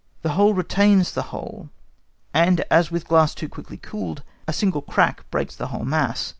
The whole retains the whole, and as with glass too quickly cooled, a single crack breaks the whole mass.